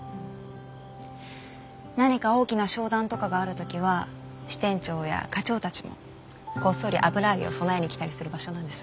何か大きな商談とかがある時は支店長や課長たちもこっそり油揚げを供えに来たりする場所なんです。